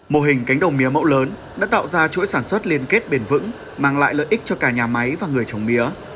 mô hình cánh đồng mía mẫu lớn đã tạo ra chuỗi sản xuất liên kết bền vững mang lại lợi ích cho cả nhà máy và người trồng mía